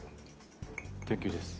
電球です。